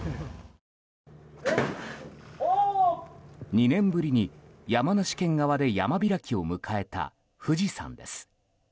２年ぶりに山梨県側で山開きを迎えた富士山です。